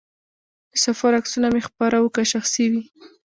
د سفر عکسونه مه خپره وه، که شخصي وي.